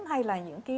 hay là những cái